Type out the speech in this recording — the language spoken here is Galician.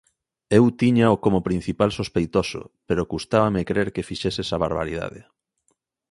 Eu tíñao como principal sospeitoso, pero custábame crer que fixese esa barbaridade.